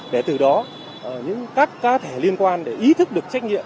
để từ đó những các cá thể liên quan để ý thức được trách nhiệm